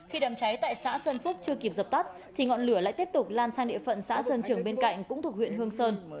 khi đám cháy tại xã sơn phúc chưa kịp dập tắt thì ngọn lửa lại tiếp tục lan sang địa phận xã sơn trường bên cạnh cũng thuộc huyện hương sơn